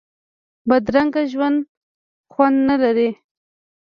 بدرنګه ژوند خوند نه لري